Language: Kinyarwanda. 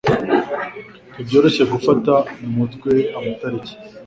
Ntibyoroshye gufata mu mutwe amatariki